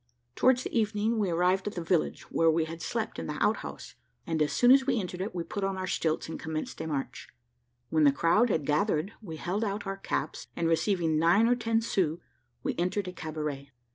Towards the evening we arrived at the village where we had slept in the outhouse, and as soon as we entered it, we put on our stilts, and commenced a march. When the crowd had gathered, we held out our caps, and receiving nine or ten sous, we entered a cabaret.